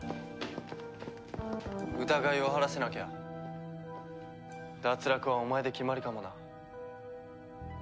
疑いを晴らせなきゃ脱落はお前で決まりかもな。